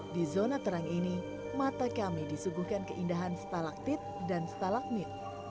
di zona terang ini mata kami disuguhkan keindahan stalaktit dan stalakmit